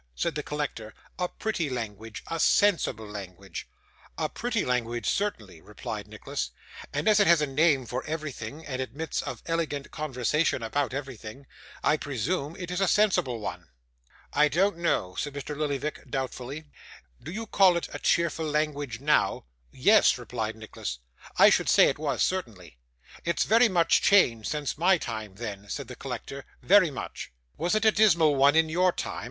said the collector; 'a pretty language, a sensible language?' 'A pretty language, certainly,' replied Nicholas; 'and as it has a name for everything, and admits of elegant conversation about everything, I presume it is a sensible one.' 'I don't know,' said Mr. Lillyvick, doubtfully. 'Do you call it a cheerful language, now?' 'Yes,' replied Nicholas, 'I should say it was, certainly.' 'It's very much changed since my time, then,' said the collector, 'very much.' 'Was it a dismal one in your time?